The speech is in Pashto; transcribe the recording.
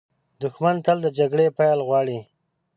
دښمن تل د جګړې پیل غواړي